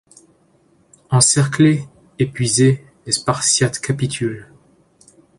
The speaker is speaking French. Encerclés, épuisés, les Spartiates capitulent.